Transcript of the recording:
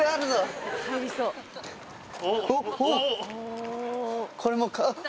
おっおっ。